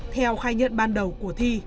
theo khai nhận ban đầu của thi